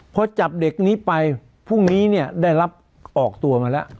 พอจับเด็กนี้ไปพรุ่งนี้เนี่ยได้รับออกตัวมาแล้ว